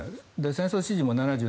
戦争支持も７７％。